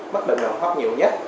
mất bệnh hoặc khóc nhiều nhất